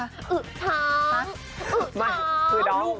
เหือกช้ำเหือกช้ำ